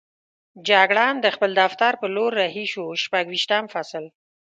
جګړن د خپل دفتر په لور رهي شو، شپږویشتم فصل.